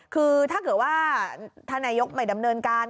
คือถ้าเกิดว่าท่านนายกไม่ดำเนินการ